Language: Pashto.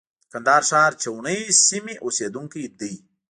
د کندهار ښار چاوڼۍ سیمې اوسېدونکی دی.